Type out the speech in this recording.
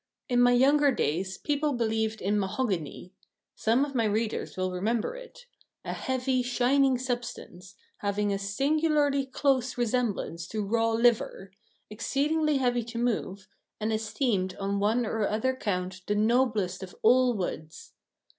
In my younger days people believed in mahogany; some of my readers will remember it a heavy, shining substance, having a singularly close resemblance to raw liver, exceedingly heavy to move, and esteemed on one or other count the noblest of all woods.